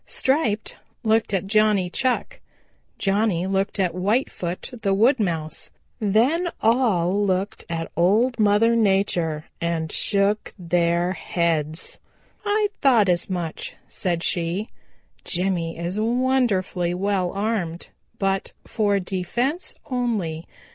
Striped looked at Johnny Chuck. Johnny looked at Whitefoot the Wood Mouse. Then all looked at Old Mother Nature and shook their heads. "I thought as much," said she. "Jimmy is wonderfully well armed, but for defense only.